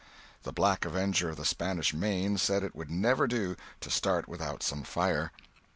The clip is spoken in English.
The Black Avenger of the Spanish Main said it would never do to start without some fire.